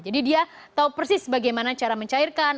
jadi dia tahu persis bagaimana cara mencairkan